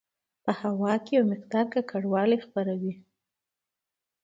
په هوا کې یو مقدار ککړوالی خپروي.